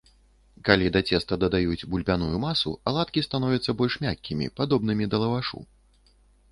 Калі да цеста дадаюць бульбяную масу, аладкі становяцца больш мяккімі, падобнымі да лавашу.